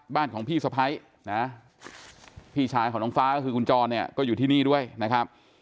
บ้านของพี่สะพ้ายนะพี่ชายของน้องฟ้าก็คือคุณจรเนี่ยก็อยู่ที่นี่ด้วยนะครับ